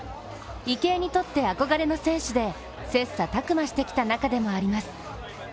池江にとって憧れの選手で切磋琢磨してきた仲でもあります。